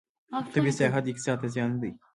طبي سیاحت اقتصاد ته زیان دی.